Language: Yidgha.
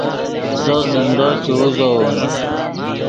زو زندو چے اوزوؤم